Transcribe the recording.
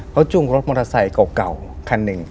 เขาจุ้งรถมอเตอร์ไซค์เก่าคันหนึ่ง